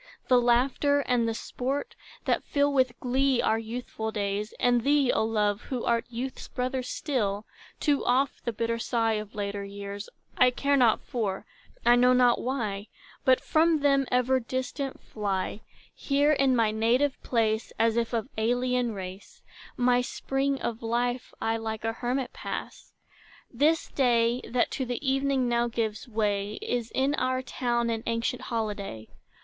The laughter and the sport, That fill with glee our youthful days, And thee, O love, who art youth's brother still, Too oft the bitter sigh of later years, I care not for; I know not why, But from them ever distant fly: Here in my native place, As if of alien race, My spring of life I like a hermit pass. This day, that to the evening now gives way, Is in our town an ancient holiday.